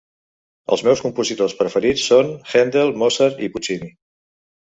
Els meus compositors preferits són Handel, Mozart i Puccini